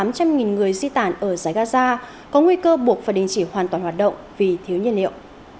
cơ quan của ông nơi hỗ trợ hơn tám trăm linh người di tản ở giải gaza có nguy cơ buộc phải đình chỉ hoàn toàn hoạt động vì thiếu nhiên liệu